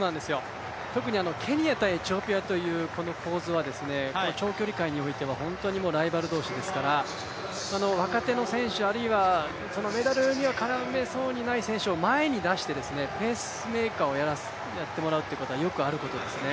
特にケニア対エチオピアという構図は長距離界においては、本当にライバル同士ですから若手の選手、あるいはそのメダルには絡めそうにない選手を前に出して、ペースメーカーをやってもらうということはよくあることですね。